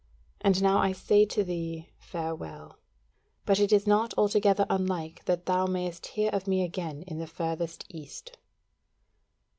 And now I say to thee farewell: but it is not altogether unlike that thou mayst hear of me again in the furthest East."